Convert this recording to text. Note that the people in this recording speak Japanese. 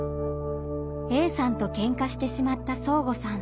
Ａさんとけんかしてしまったそーごさん。